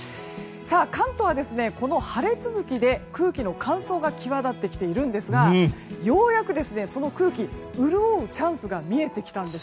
関東はこの晴れ続きで空気の乾燥が際立ってきているんですがようやく、その空気潤うチャンスが見えてきたんです。